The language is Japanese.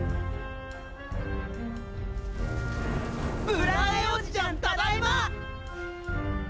ブラーエおじちゃんただいま！